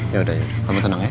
yaudah ya kamu tenang ya